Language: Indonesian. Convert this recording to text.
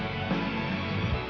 dia mengatenya scholarships stora